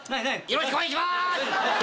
よろしくお願いします。